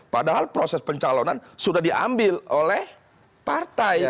padahal proses pencalonan sudah diambil oleh partai